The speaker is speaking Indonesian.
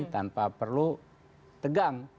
tanpa perlu tegang